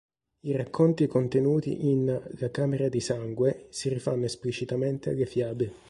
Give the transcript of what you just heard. I racconti contenuti in "La camera di sangue" si rifanno esplicitamente alle fiabe.